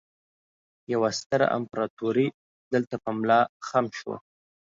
يوه ستره امپراتورۍ دلته په ملا خم شوه